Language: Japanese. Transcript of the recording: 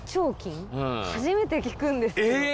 初めて聞くんですけど。